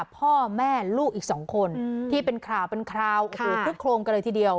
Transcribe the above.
พ่อแม่ลูกอีกสองคนที่เป็นข่าวปึ๊บโครงกันเลยทีเดียว